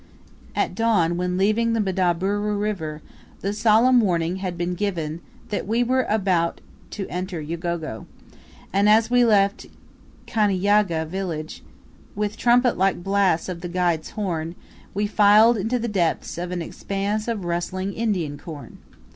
At dawn, when leaving Mdaburu River, the solemn warning had been given that we were about entering Ugogo; and as we left Kaniyaga village, with trumpet like blasts of the guide's horn, we filed into the depths of an expanse of rustling Indian corn.